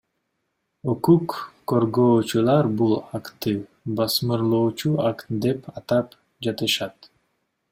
Укук коргоочулар бул актты басмырлоочу акт деп атап жатышат.